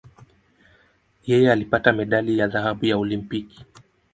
Yeye alipata medali ya dhahabu ya Olimpiki.